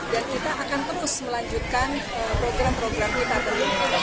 dan kita akan terus melanjutkan program program kita dulu